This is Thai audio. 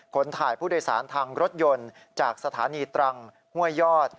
ขนถ่ายผู้โดยสารต่อทางรถยนต์จากสถานีตรังกรุงเทพฯห้วยยอด